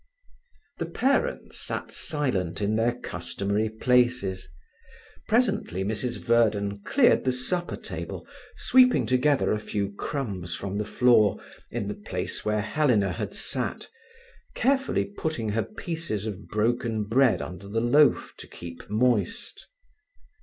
The parents sat silent in their customary places. Presently Mrs. Verden cleared the supper table, sweeping together a few crumbs from the floor in the place where Helena had sat, carefully putting her pieces of broken bread under the loaf to keep moist.